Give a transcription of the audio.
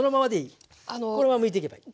このままむいていけばいい。